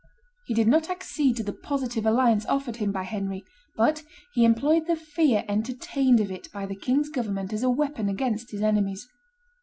He did not accede to the positive alliance offered him by Henry; but he employed the fear entertained of it by the king's government as a weapon against his enemies.